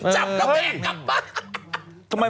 จับแล้วแม่กลับบ้าน